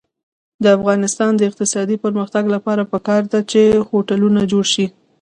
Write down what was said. د افغانستان د اقتصادي پرمختګ لپاره پکار ده چې هوټلونه جوړ شي.